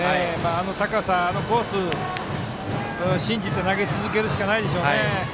あの高さ、あのコースを信じて投げ続けるしかないでしょうね。